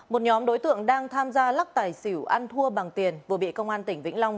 một nhóm đối tượng đang tham gia lắc tài xỉu ăn thua bằng tiền vừa bị công an tỉnh vĩnh long